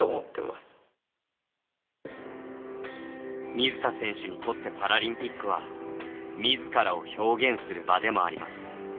水田選手にとってパラリンピックはみずからを表現する場でもあります。